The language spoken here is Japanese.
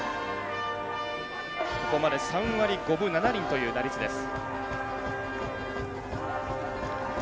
ここまで３割５分７厘という打率です。